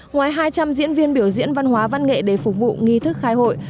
ngoài hai trăm linh diễn viên biểu diễn văn hóa văn nghệ để phục vụ nghi thức khai hội